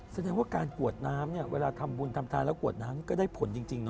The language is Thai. แสดงว่าการกวดน้ำเนี่ยเวลาทำบุญทำทานแล้วกวดน้ำก็ได้ผลจริงนะ